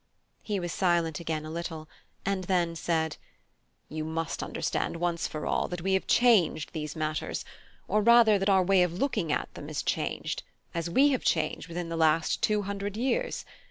He was silent again a little, and then said: "You must understand once for all that we have changed these matters; or rather, that our way of looking at them has changed, as we have changed within the last two hundred years.